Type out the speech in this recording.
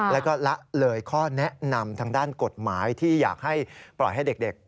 แล้วก็ละเลยข้อแนะนำทางด้านกฎหมายที่อยากให้ปล่อยให้เด็ก